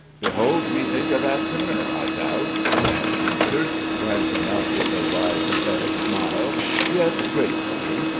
"Behoved me think of that sooner, I doubt," Nashe answered, glancing up with a wry, pathetic smile, yet gratefully.